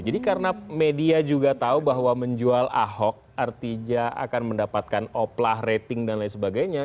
jadi karena media juga tahu bahwa menjual ahok artinya akan mendapatkan oplah rating dan lain sebagainya